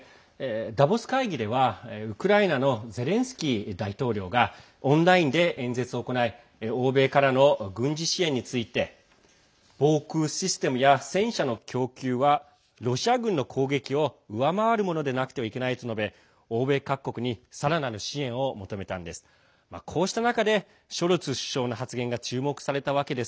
ダボス会議では、ウクライナのゼレンスキー大統領がオンラインで演説を行い欧米からの軍事支援について防空システムや戦車の供給はロシア軍の攻撃を上回るものでなくてはいけないと述べ欧米各国にさらなる支援を求めたんです。